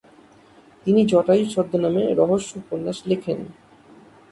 যিনি জটায়ু ছদ্মনামে রহস্য উপন্যাস লেখেন।